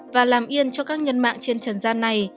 và làm yên cho các nhân mạng trên trần gian này